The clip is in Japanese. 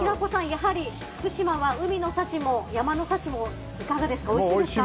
やはり福島は海の幸も山の幸もおいしいですか？